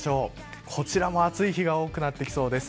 こちらも暑い日が多くなってきそうです。